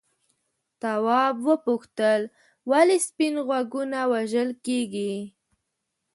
تواب وپوښتل ولې سپین غوږونه وژل کیږي.